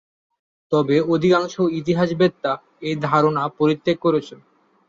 তবে অধিকাংশ ইতিহাসবেত্তা এই ধারণা পরিত্যাগ করেছেন।